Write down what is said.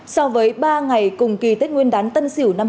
so với ba ngày cùng kỳ tết nguyên đán tân sỉu năm hai nghìn một mươi một